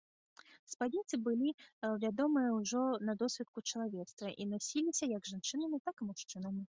Спадніцы былі вядомыя ўжо на досвітку чалавецтва і насіліся як жанчынамі, так і мужчынамі.